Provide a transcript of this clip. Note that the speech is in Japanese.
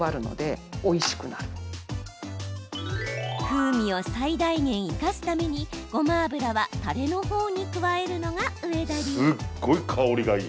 風味を最大限生かすためにごま油は、たれの方に加えるのが上田流。